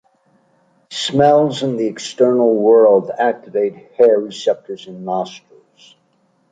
Smells in the external world activate hair receptors in nostrils.